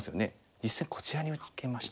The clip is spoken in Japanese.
実戦こちらに受けました。